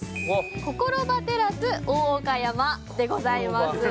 心葉テラス大岡山でございます。